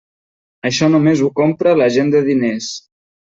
Això només ho compra la gent de diners.